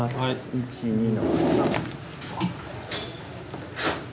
１２の３！